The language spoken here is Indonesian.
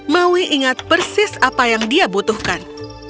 maui ingat persis apa yang dia butuhkan